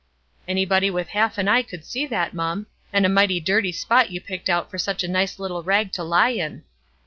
"Anybody with half an eye could see that, mum; and a mighty dirty spot you picked out for such a nice little rag to lie in."